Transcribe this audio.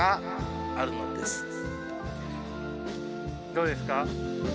どうですか？